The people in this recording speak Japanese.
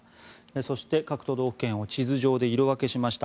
そして、各都道府県を地図上で色分けしました。